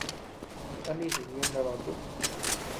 ¿A nichid yúni nabaku?